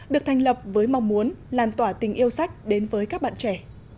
được thành lập với mong muốn làn tỏa tình yêu sách đến với các bạn trẻ